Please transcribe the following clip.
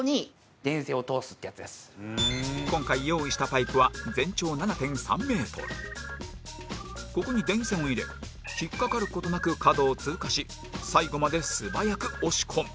今回用意したパイプはここに電線を入れ引っかかる事なく角を通過し最後まで素早く押し込む